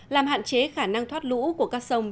làm hạn chế khả năng thoát lũ của các sông